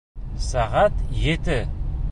Сәғәт ете!